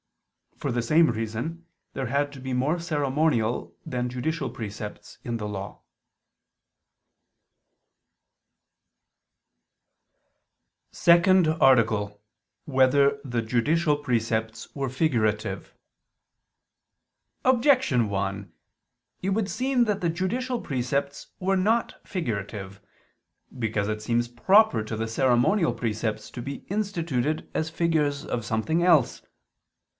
For the same reason there had to be more ceremonial than judicial precepts in the Law. ________________________ SECOND ARTICLE [I II, Q. 104, Art. 2] Whether the Judicial Precepts Were Figurative? Objection 1: It would seem that the judicial precepts were not figurative. Because it seems proper to the ceremonial precepts to be instituted as figures of something else.